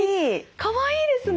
かわいいですね。